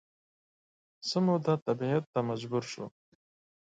څه موده تبعید ته مجبور شو